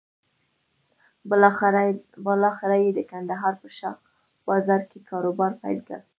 بالاخره یې د کندهار په شا بازار کې کاروبار پيل کړ.